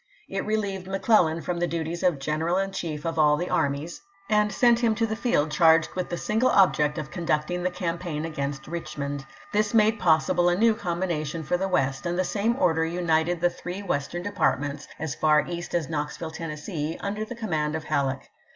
It relieved McClellan from the duties of general in chief of all the armies, and sent 31G ABKAHAM LINCOLN ch. xvin. him to fhe field charged with the single object of conducting the campaign against Richmond. This made possible a new combination for the West, and the same order united the three Western depart ments (as far East as Knoxville, Tennessee) under the command of Halleck.